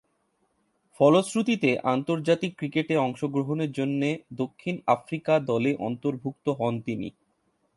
ফলশ্রুতিতে আন্তর্জাতিক ক্রিকেটে অংশগ্রহণের জন্যে দক্ষিণ আফ্রিকা দলে অন্তর্ভুক্ত হন তিনি।